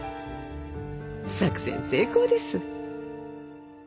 作戦成功です。